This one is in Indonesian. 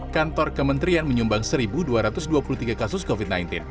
kantor kementerian menyumbang satu dua ratus dua puluh tiga kasus covid sembilan belas